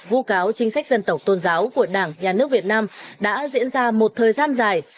vụ cáo chính sách dân tộc tôn giáo của đảng nhà nước việt nam đã diễn ra một thời gian dài